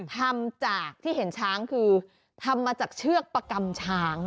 ทำจากที่เห็นช้างคือทำมาจากเชือกประกำช้าง